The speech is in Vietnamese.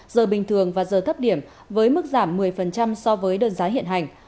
giờ bình thường và giờ thấp điểm với mức giảm một mươi so với đơn giá hiện hành